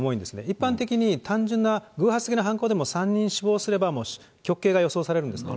一般的に単純な偶発的な犯行でも、３人となると極刑が予想されるんですね。